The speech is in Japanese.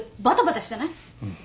うん。